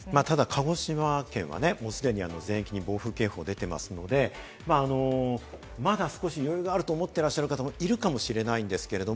鹿児島県は既に全域に暴風警報が出ていますので、まだ少し余裕があると思っていらっしゃる方もいるかもしれないんですけれど。